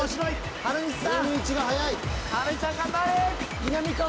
原西さん